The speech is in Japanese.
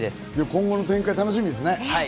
今後の展開、楽しみですね。